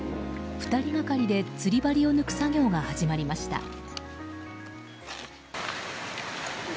２人がかりで釣り針を抜く作業が始まりました。